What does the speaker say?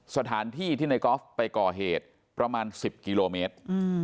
สถานที่ที่ในกอล์ฟไปก่อเหตุประมาณ๑๐กิโลเมตร